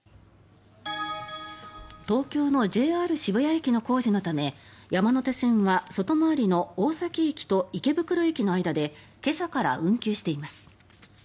東京のＪＲ渋谷駅の工事のため山手線は外回りの大崎駅と池袋駅の間で今朝から運休しています。